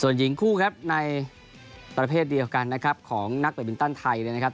ส่วนหญิงคู่ครับในประเภทดีของกันของนักปรีมินตรไทยเลยนะครับ